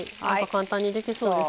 簡単にできそうです。